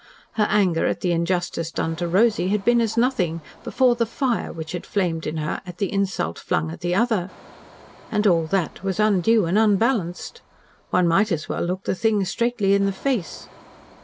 Her anger at the injustice done to Rosy had been as nothing before the fire which had flamed in her at the insult flung at the other. And all that was undue and unbalanced. One might as well look the thing straightly in the face.